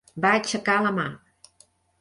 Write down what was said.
Va aixecar la mà.